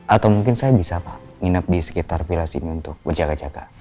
atau mungkin saya bisa pak nginep di sekitar pilas ini untuk berjaga jaga